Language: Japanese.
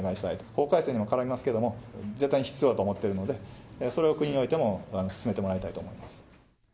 法改正にも絡みますけども、絶対に必要だと思っているので、それを国においても、進めてもらいたいと思います。